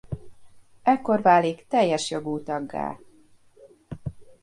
Ekkor válik teljes jogú taggá.